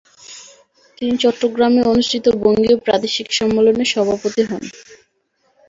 তিনি চট্টগ্রামে অনুষ্ঠিত বঙ্গীয় প্রাদেশিক সম্মেলনে সভাপতি হন।